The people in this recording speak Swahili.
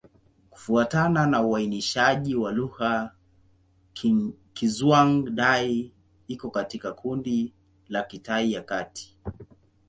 Kufuatana na uainishaji wa lugha, Kizhuang-Dai iko katika kundi la Kitai ya Kati.